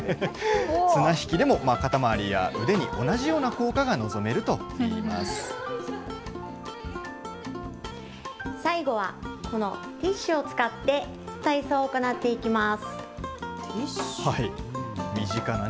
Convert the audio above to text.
綱引きでも肩回りや腕に同じよう最後は、このティッシュを使って体操を行っていきます。